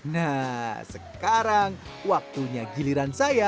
nah sekarang waktunya giliran saya